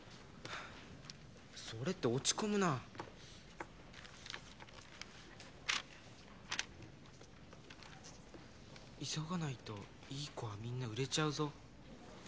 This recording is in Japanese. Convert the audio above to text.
それって落ち込むな「急がないといい子はみんな売れちゃうぞ」